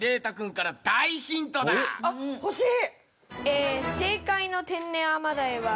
あっ欲しい！